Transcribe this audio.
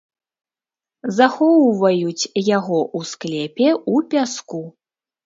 Захоўваюць яго ў склепе ў пяску.